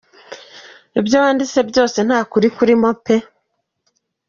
Ibyo wanditse byose nta kuri kurimo pe.